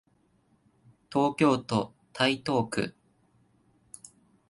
東京都台東区